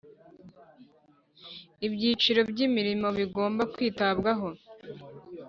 ibyiciro by imirimo bigomba kwitabwaho